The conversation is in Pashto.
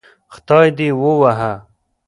خدای دې ووهه